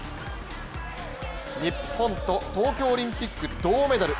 日本と東京オリンピック銅メダル